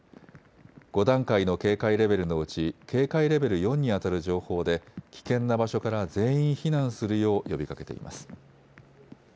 ５段階の警戒レベルのうち警戒レベル４にあたる情報で危険な場所から全員避難するよう呼びかけています。